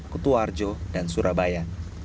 ketua arjo dan surabaya